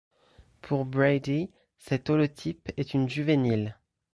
Pour Brady, cet holotype est une juvénile.